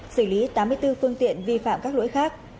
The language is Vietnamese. xử lý tám mươi bốn phương tiện vi phạm các lỗi khác